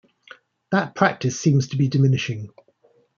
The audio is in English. That practice seems to be diminishing.